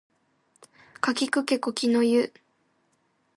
かきくけこきのゆ